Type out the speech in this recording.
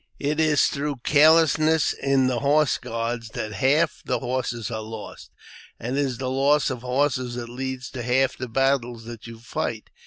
It is through carelessness in the horse guards that one half the horses are lost, and it is the loss of horses that leads to half the battles that you fight.